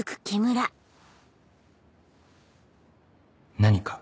何か？